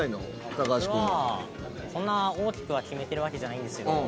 そんな大きくは決めてるわけじゃないんですけど。